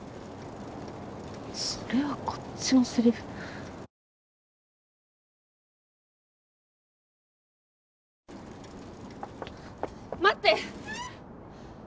それはこっちのセリフ待って！